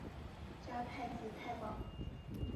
加太子太保。